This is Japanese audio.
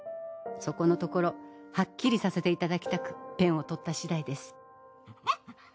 そこのところはっきりさせていただきたくペンを執ったしだいです」。